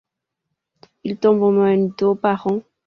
Il tombe en moyenne d’eau par an.